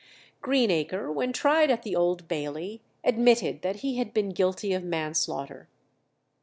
Greenacre, when tried at the Old Bailey, admitted that he had been guilty of manslaughter.